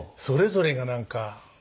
それぞれがなんか。